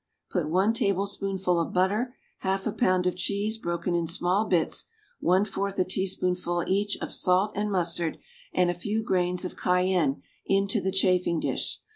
Put one tablespoonful of butter, half a pound of cheese broken in small bits, one fourth a teaspoonful, each, of salt and mustard and a few grains of cayenne into the chafing dish.